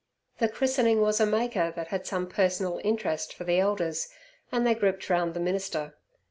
The christening was a maker that had some personal interest for the elders, and they grouped round the minister.